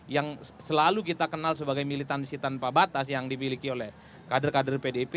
yang selalu kita kenal sebagai militansi tanpa batas yang dimiliki oleh kader kader pdip